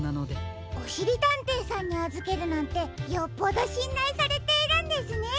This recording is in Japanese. おしりたんていさんにあずけるなんてよっぽどしんらいされているんですね。